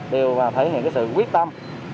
đều thể hiện cái sự quyết tâm